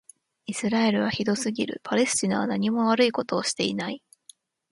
イスラエルはひどすぎる。パレスチナはなにも悪いことをしていない。